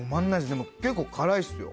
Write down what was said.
でも結構辛いですよ。